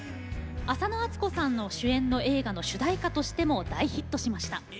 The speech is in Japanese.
浅野温子さん主演の映画の主題歌としても大ヒットしました。